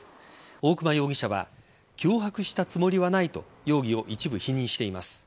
大熊容疑者は脅迫したつもりはないと容疑を一部否認しています。